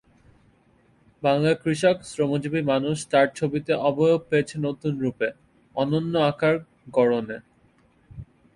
বাংলার কৃষক-শ্রমজীবী মানুষ তাঁর ছবিতে অবয়ব পেয়েছে নতুন রূপে, অনন্য আকার-গড়নে।